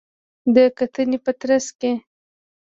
د کتنې په ترڅ کې